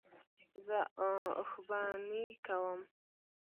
زه اوښبهني کوم.